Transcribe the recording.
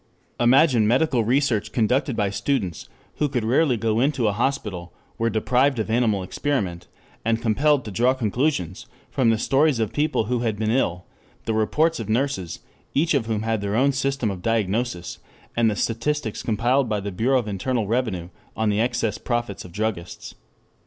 Imagine medical research conducted by students who could rarely go into a hospital, were deprived of animal experiment, and compelled to draw conclusions from the stories of people who had been ill, the reports of nurses, each of whom had her own system of diagnosis, and the statistics compiled by the Bureau of Internal Revenue on the excess profits of druggists.